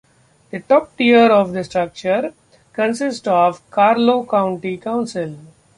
The top tier of the structure consists of Carlow County Council.